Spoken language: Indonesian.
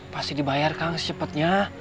pasti dibayar kang secepatnya